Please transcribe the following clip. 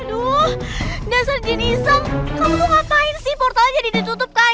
aduh dasar jin isang kamu tuh ngapain sih portalnya jadi ditutupkan